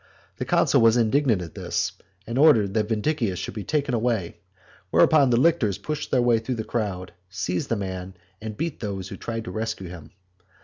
The consul was indignant at this, and ordered that Vindicius should be taken away, whereupon the lictors pushed their way through the crowd, seized the man, and beat those who tried to rescue him.